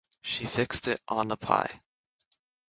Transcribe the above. She fixed it on the pie.